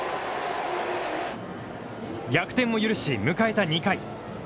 逆転を許し迎えた２回。